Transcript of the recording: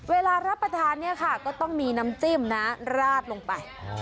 เวลารับประทานก็ต้องมีน้ำจิ้มราบลงไป